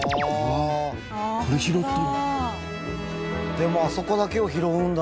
でもあそこだけを拾うんだね。